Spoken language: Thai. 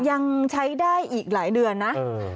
ยังใช้ได้อีกหลายเดือนนะ